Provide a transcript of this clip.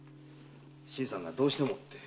新さんが“どうしても”って。